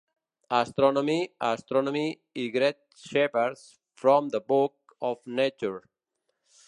"Astronomy"; "Astronomy" i "Great Chapters from the Book of Nature".